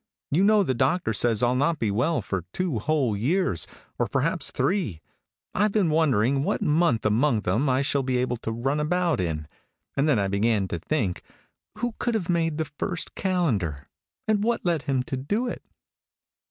You know the doctor says I'll not be well for two whole years, or perhaps three. I have been wondering what month among them all I shall be able to run about in; and then I began to think who could have made the first calendar, and what led him to do it."